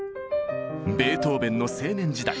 ベートーベンの青年時代。